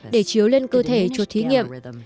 để chiếu lên cơ thể cho thí nghiệm